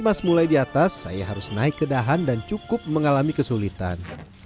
pas mulai di atas saya harus naik ke dahan dan cukup mengalami kesulitan